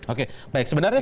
oke baik sebenarnya